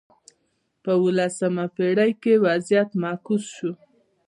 په اولسمه پېړۍ کې وضعیت معکوس شو.